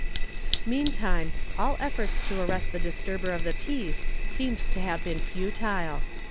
Meantime all efforts to arrest the disturber of the peace seemed to have been futile.